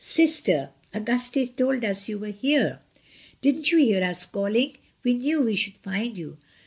"Sister! Auguste told us you were here. Didn't you hear us calling? We knew we should find you."